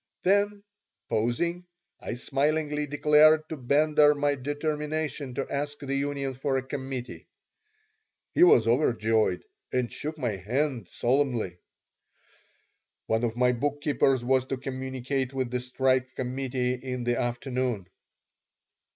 Then, pausing, I smilingly declared to Bender my determination to ask the union for a committee. He was overjoyed and shook my hand solemnly One of my bookkeepers was to communicate with the strike committee in the afternoon.